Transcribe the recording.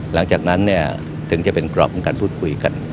หลังจากนั้นเนี่ยถึงจะเป็นกรอบของการพูดคุยกัน